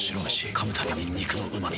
噛むたびに肉のうま味。